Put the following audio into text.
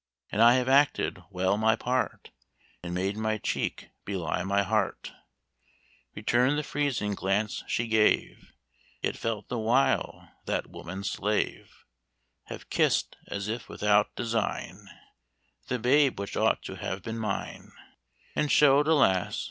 "And I have acted well my part, And made my cheek belie my heart, Returned the freezing glance she gave, Yet felt the while that woman's slave; Have kiss'd, as if without design, The babe which ought to have been mine, And show'd, alas!